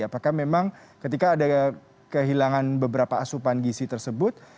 apakah memang ketika ada kehilangan beberapa asupan gisi tersebut